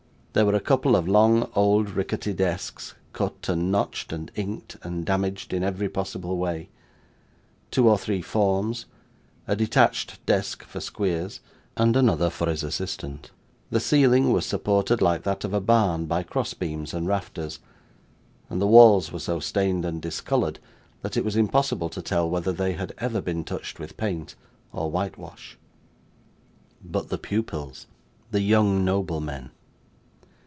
There were a couple of long old rickety desks, cut and notched, and inked, and damaged, in every possible way; two or three forms; a detached desk for Squeers; and another for his assistant. The ceiling was supported, like that of a barn, by cross beams and rafters; and the walls were so stained and discoloured, that it was impossible to tell whether they had ever been touched with paint or whitewash. But the pupils the young noblemen!